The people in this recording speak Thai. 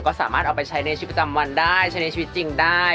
ก็สามารถเอาไปใช้ในชีวิตประจำวันได้ใช้ในชีวิตจริงได้